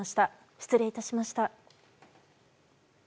失礼致しました。